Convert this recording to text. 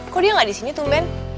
kok dia gak disini tuh men